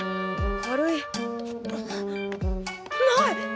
軽いない！